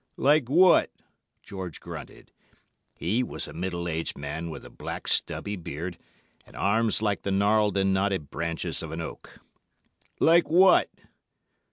"'Like what?' George grunted. He was a middle aged man with a black, stubby beard, and arms like the gnarled and knotted branches of an oak. 'Like what?